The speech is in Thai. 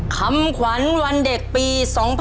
คำขวัญวันเด็กปี๒๕๖๒